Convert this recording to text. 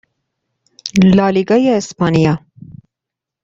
لالیگای اسپانیا